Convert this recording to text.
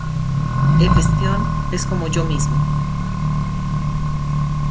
Hefestión es como yo mismo.